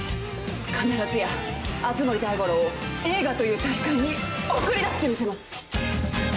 必ずや熱護大五郎を映画という大海に送り出してみせます！